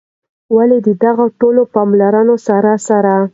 ولي د دغو ټولو پاملرونو سره سره